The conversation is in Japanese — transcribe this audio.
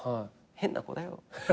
変な子だよ